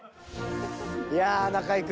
いやあ中居君